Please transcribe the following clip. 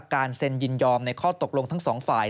การเซ็นยินยอมในข้อตกลงทั้งสองฝ่าย